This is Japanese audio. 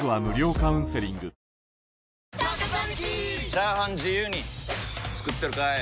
チャーハン自由に作ってるかい！？